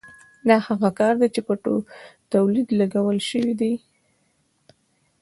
دا هغه کار دی چې په تولید لګول شوی دی